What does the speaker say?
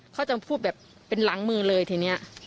เขาจะพูดแบบเป็นหลังมือเลยทีนี้